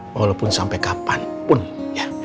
walaupun sampai kapanpun ya